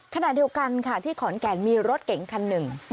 ขณะเดียวกันค่ะที่ขอนแก่นมีรถเก๋งคันหนึ่ง